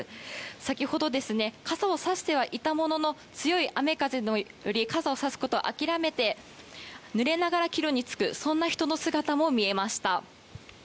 先ほど、傘をさしてはいたものの強い雨風により傘をさすことを諦めてぬれながら帰路に着くそんな人の姿も見えました。